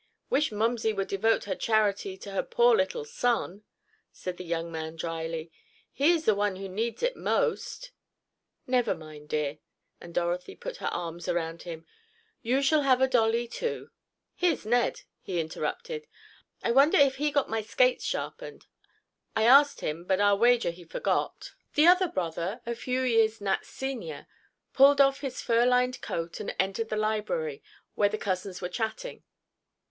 "Wish momsey would devote her charity to her poor little son," said the young man, drily. "He is the one who needs it most!" "Never mind, dear," and Dorothy put her arms around him, "you shall have a dolly, too." "Here's Ned," he interrupted, "I wonder if he got my skates sharpened? I asked him, but I'll wager he forgot." The other brother, a few years Nat's senior, pulled off his furlined coat, and entered the library, where the cousins were chatting.